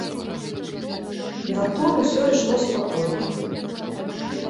Датуль усё ішло спакойна.